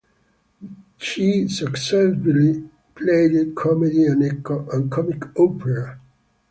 She successively played comedy and comic opera.